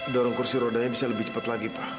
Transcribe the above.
dorong kursi rodanya bisa lebih cepat lagi pak